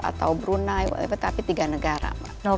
atau brunei tetapi tiga negara